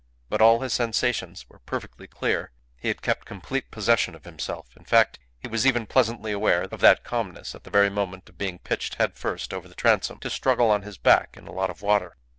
But all his sensations were perfectly clear; he had kept complete possession of himself; in fact, he was even pleasantly aware of that calmness at the very moment of being pitched head first over the transom, to struggle on his back in a lot of water.